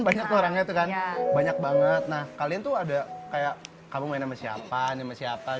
banyak orangnya tegan banyak banget nah kalian tuh ada kayak kamu main sama siapa nih siapa gitu